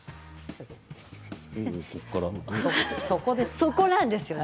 そこなんですよね。